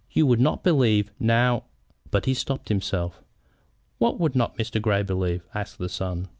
"You would not believe, now " But he stopped himself. "What would not Mr. Grey believe?" asked the son.